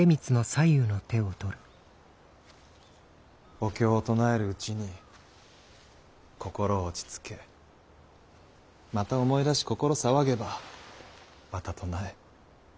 お経を唱えるうちに心を落ち着けまた思い出し心騒げばまた唱え。